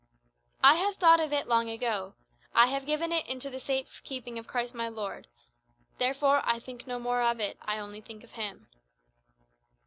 "I have thought of it long ago. I have given it into the safe keeping of Christ my Lord. Therefore I think no more of it; I only think of him."